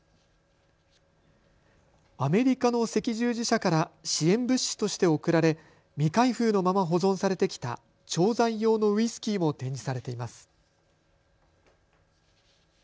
アメリカの赤十字社から支援物資として贈られ未開封のまま保存されてきた調剤用のウイスキーも展示されています。